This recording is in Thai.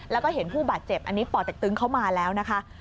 แล้วก็เห็นผู้บาดเจ็บอันนี้ป่อเต็กตึงเข้ามาแล้วนะคะ